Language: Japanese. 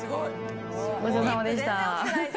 ごちそうさまでした。